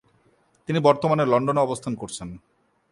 তিনি বর্তমানে লন্ডনে অবস্থান করছেন।